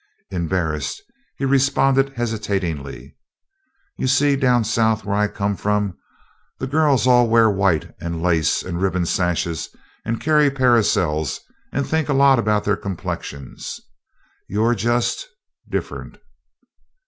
Embarrassed, he responded hesitatingly: "You see down South where I come from the girls all wear white and lace and ribbon sashes and carry parasols and think a lot about their complexions. You're just different."